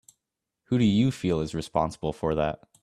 Who do you feel is responsible for that?